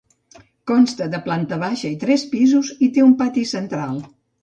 Consta de planta baixa i tres pisos i té un pati central.